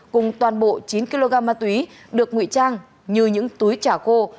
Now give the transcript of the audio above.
cùng toàn bộ chín kg ma túy được ngụy trang như những túi chả khô